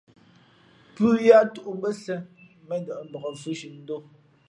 Pʉ̄h yáʼ tōʼ mbʉ́ά sēn , mēndαʼ mbak fhʉ̄nzhi ndǒ.